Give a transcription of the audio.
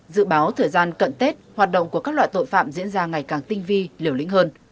dự báo thời gian cận tết hoạt động của các loại tội phạm diễn ra ngày càng tinh vi liều lĩnh hơn